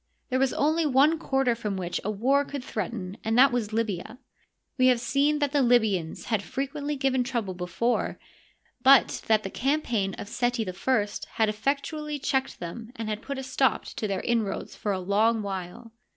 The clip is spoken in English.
There was only one quarter from which a war could threaten and that was Libya. We have seen that the Libyans had frequently given trouble before, but that the campaign of Seti I had effectually checked them and had put a stop to their inroads for a long while.